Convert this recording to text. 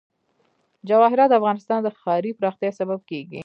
جواهرات د افغانستان د ښاري پراختیا سبب کېږي.